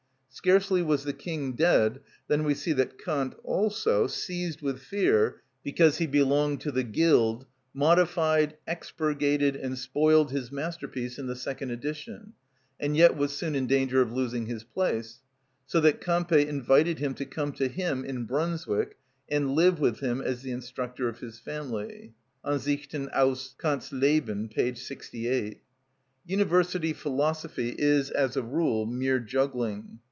Scarcely was the king dead than we see that Kant also, seized with fear, because he belonged to the guild, modified, expurgated, and spoiled his masterpiece in the second edition, and yet was soon in danger of losing his place; so that Campe invited him to come to him, in Brunswick, and live with him as the instructor of his family (Ring., Ansichten aus Kant's Leben, p. 68). University philosophy is, as a rule, mere juggling.